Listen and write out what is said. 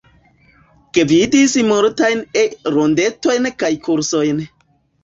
Gvidis multajn E-rondetojn kaj kursojn.